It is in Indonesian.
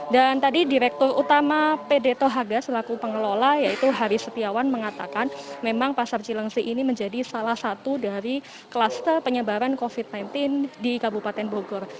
dan tadi direktur utama pd tohaga selaku pengelola yaitu haris setiawan mengatakan memang pasar jelensi ini menjadi salah satu dari kluster penyebaran covid sembilan belas di kabupaten bogor